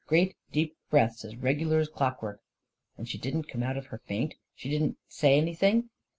" Great, deep breaths, as regular as clock work." "And she didn't come out of her faint? She didn't say anything?